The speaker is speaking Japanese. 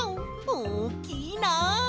おおきいなあ。